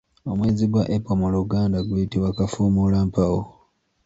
Omwezi gwa April mu luganda guyitibwa Kafuumuulampawu.